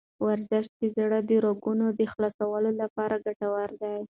ورزش د زړه د رګونو د خلاصولو لپاره ګټور دی.